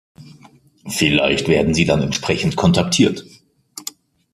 Vielleicht werden Sie dann entsprechend kontaktiert.